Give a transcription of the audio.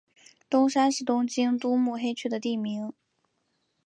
东山是东京都目黑区的地名。